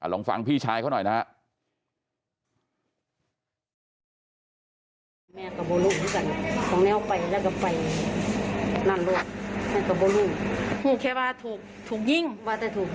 ลองฟังพี่ชายเขาหน่อยนะฮะ